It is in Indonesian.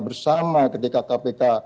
bersama ketika kpk